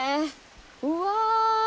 うわ。